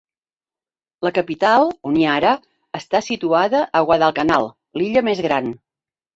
La capital, Honiara, està situada a Guadalcanal, l'illa més gran.